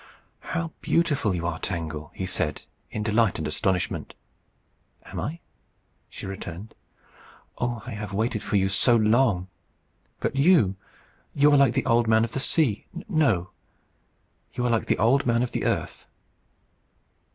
"How beautiful you are, Tangle!" he said, in delight and astonishment. "Am I?" she returned. "Oh, I have waited for you so long! But you, you are like the Old Man of the Sea. No. You are like the Old Man of the Earth.